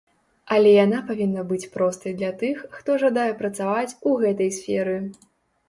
Але яна павінна быць простай для тых, хто жадае працаваць у гэтай сферы.